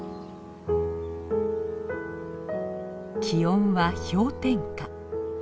気温は氷点下。